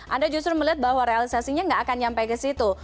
anda justru melihat bahwa realisasinya nggak akan nyampe ke situ